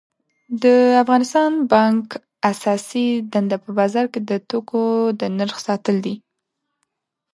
د افغانستان بانک اساسی دنده په بازار کی د توکو د نرخ ساتل دي